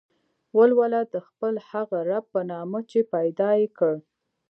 ولوله د خپل هغه رب په نامه چې پيدا يې کړ.